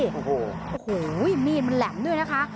โอ้โฮเงียบมีดมันหลับด้วยนะคะ